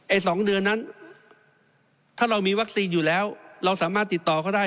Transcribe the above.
๒เดือนนั้นถ้าเรามีวัคซีนอยู่แล้วเราสามารถติดต่อเขาได้